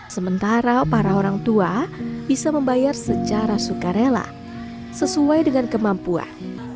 sementara para orang tua bisa membayar secara sukarela sesuai dengan kemampuan